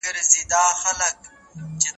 چي توییږي د مظلوم فلسطین ویني